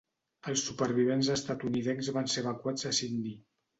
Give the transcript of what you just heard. Els supervivents estatunidencs van ser evacuats a Sydney.